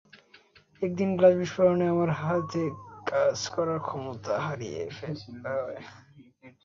একদিন গ্লাস বিস্ফোরণে আমার ডান হাত কাজ করার ক্ষমতা হারিয়ে ফেলে।